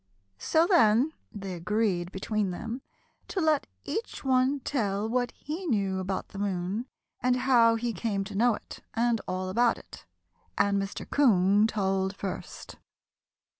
So then they agreed between them to let each one tell what he knew about the moon and how he came to know it and all about it. And Mr. 'Coon told first.